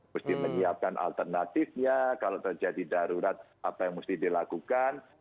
mesti menyiapkan alternatifnya kalau terjadi darurat apa yang mesti dilakukan